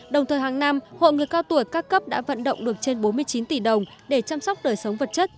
đồng thời hàng năm hội người cao tuổi các cấp đã vận động được trên bốn mươi chín tỷ đồng để chăm sóc đời sống vật chất